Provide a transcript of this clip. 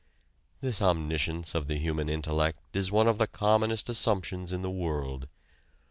This omniscience of the human intellect is one of the commonest assumptions in the world.